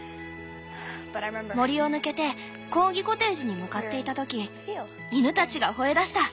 森を抜けてコーギコテージに向かっていた時犬たちが吠えだした。